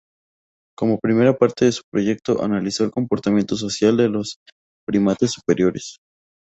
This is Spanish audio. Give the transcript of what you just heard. Como primera parte de su proyecto, analizó el comportamiento social de los primates superiores.